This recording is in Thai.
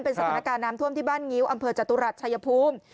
เป็นสถานการณ์น้ำท่วมที่บ้านงิ้วอำเภอจตุรัสชายภูมิ